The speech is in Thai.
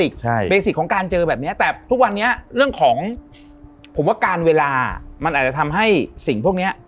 ใช่เบสิกของการเจอแบบเนี้ยแต่ทุกวันนี้เรื่องของผมว่าการเวลามันอาจจะทำให้สิ่งพวกเนี้ย